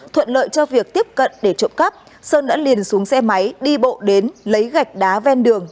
thuận lợi cho việc tiếp cận để trộm cắp sơn đã liền xuống xe máy đi bộ đến lấy gạch đá ven đường